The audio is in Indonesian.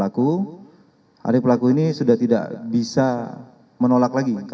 nah itu di adik pelaku ini sempat ada penolakan yang disarankan